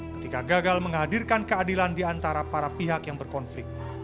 ketika gagal menghadirkan keadilan di antara para pihak yang berkonflik